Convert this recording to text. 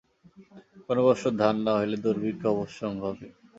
কোন বৎসর ধান না হইলে দুর্ভিক্ষ অবশ্যম্ভাবী।